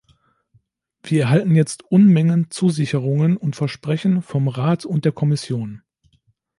Wir erhalten jetzt Unmengen Zusicherungen und Versprechen vom Rat und der Kommission.